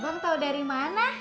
abang tau dari mana